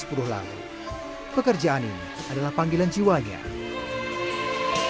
terakhir aris bergabung dengan tim reaksi cepat badan penanggulangan pencarian daerah istimewa yogyakarta atau trcbpbddie sejak erupsi merapi